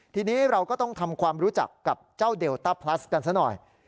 ทีนี้เราก็ต้องทำความรู้จักกับเจ้าเดลต้าพลัสกันซะหน่อย